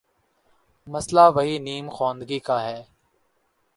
مسئلہ وہی نیم خواندگی کا ہے۔